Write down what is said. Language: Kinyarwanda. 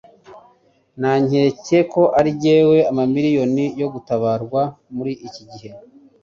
Nta nkeka ko ari jewe? Amamiliyoni yo gutabarwa muri iki gihe?